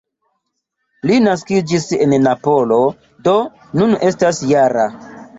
Li naskiĝis en Napolo, do nun estas -jara.